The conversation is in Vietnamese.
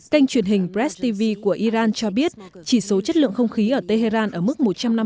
kênh truyền hình press tv của iran cho biết chỉ số chất lượng không khí ở tehran ở mức một trăm năm mươi bốn